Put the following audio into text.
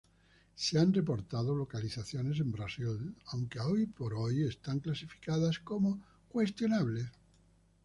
Se han reportado localizaciones en Brasil, aunque, hoy por hoy, están clasificadas como cuestionables.